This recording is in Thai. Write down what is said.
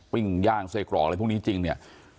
ย่างไส้กรอกอะไรพวกนี้จริงเนี่ย